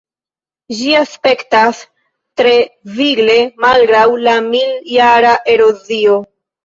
Ĝi aspektas tre vigle malgraŭ la mil-jara erozio.